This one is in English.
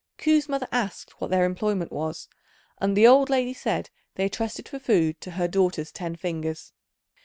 Ku's mother asked what their employment was, and the old lady said they trusted for food to her daughter's ten fingers.